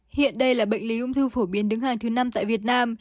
hiện đây là bệnh lý ung thư phổ biến đứng hàng thứ năm tại việt nam